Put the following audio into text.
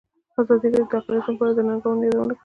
ازادي راډیو د اقلیتونه په اړه د ننګونو یادونه کړې.